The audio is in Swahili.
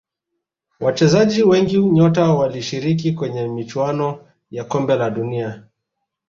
wachezaji wengi nyota walishiriki kwenye michuano ya kombe la dunia